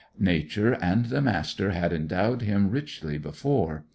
Nature and the Master had endowed him richly before.